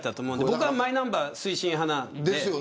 僕は、マイナンバー推進派です。